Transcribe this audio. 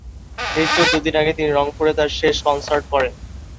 মৃত্যুর দুইদিন আগে তিনি রংপুরে তার শেষ কনসার্ট করেন।